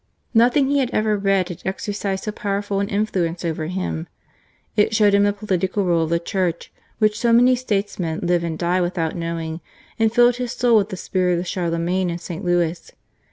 Nothing he had ever read had exercised so powerful an influence over him. It showed him the political role of the Church, which so many statesmen live and die without knowing, and filled his soul with the spirit of Charlemagne and St. Louis.